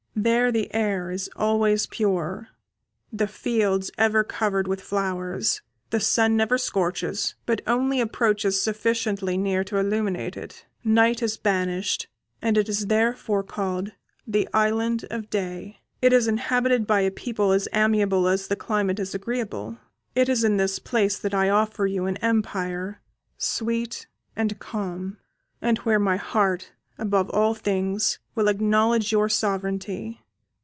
There the air is always pure, the fields ever covered with flowers; the sun never scorches, but only approaches sufficiently near to illuminate it; night is banished, and it is therefore called the Island of Day. It is inhabited by a people as amiable as the climate is agreeable. It is in this place that I offer you an empire, sweet and calm, and where my heart above all things will acknowledge your sovereignty.